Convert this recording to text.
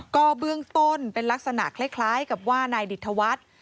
ก็เบื้องต้นเป็นลักษณะคล้ายกับว่านายดิตธวัฒน์